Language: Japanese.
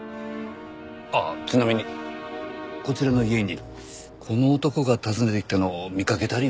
ああちなみにこちらの家にこの男が訪ねてきたのを見かけたりは。